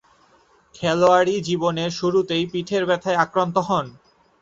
খেলোয়াড়ী জীবনের শুরুতেই পিঠের ব্যথায় আক্রান্ত হন।